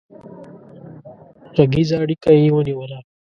غږيزه اړيکه يې ونيوله